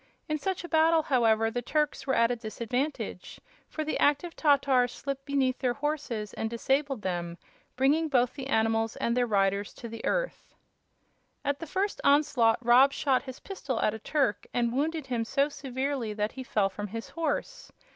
In such a battle, however, the Turks were at a disadvantage, for the active Tatars slipped beneath their horses and disabled them, bringing both the animals and their riders to the earth. At the first onslaught Rob shot his pistol at a Turk and wounded him so severely that he fell from his horse.